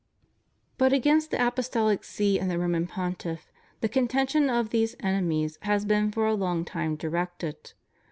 But against the Apostolic See and the Roman Pontiff the contention of these enemies has been for a long time directed.